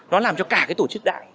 nó làm cho cả cái tổ chức đại